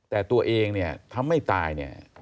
แต่ตัวเองถ้าไม่ตาย